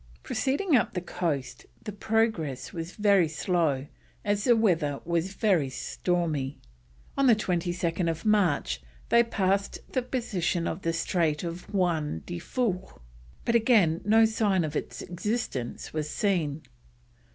Proceeding up the coast the progress was very slow as the weather was very stormy. On 22nd March they passed the position of the strait of Juan de Fuch, but again no sign of its existence was seen.